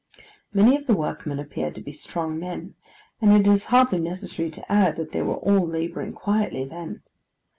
Many of the workmen appeared to be strong men, and it is hardly necessary to add that they were all labouring quietly, then.